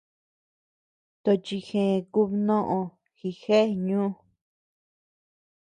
Tochi gë kubnoʼö jigea ñu.